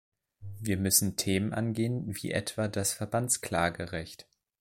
Wir müssen Themen angehen wie etwa das Verbandsklagerecht.